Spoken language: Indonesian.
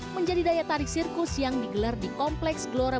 menjadi daya tarik sirkus yang digelar di kompleks gelora